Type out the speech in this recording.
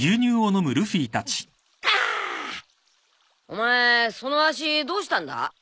お前その脚どうしたんだ？